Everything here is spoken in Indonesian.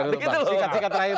begitu singkat singkat terakhir